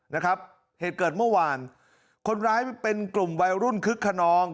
นะครับเหตุเกิดเมื่อวานคนร้ายเป็นกลุ่มวัยรุ่นคึกขนอง